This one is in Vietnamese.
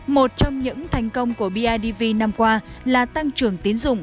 một trong những thành công của bidv năm qua là tăng trưởng tiến dụng